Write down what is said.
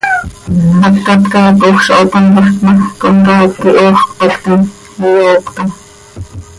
Hacat caacoj zo hatámlajc ma, comcaac quih hoox cötactim, iyooctam.